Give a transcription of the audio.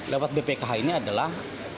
lewat bpkh ini adalah